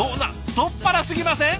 太っ腹すぎません？